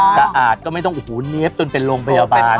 สะอาดก็ไม่ต้องโอ้โหเนี๊ยบจนเป็นโรงพยาบาล